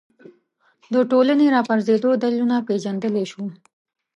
د ټولنې راپرځېدو دلیلونه پېژندلی شو